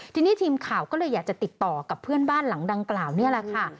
ทีนี้ทีมข่าวก็เลยอยากจะติดต่อกับเพื่อนบ้านหลังดังกล่าวนี่แหละค่ะ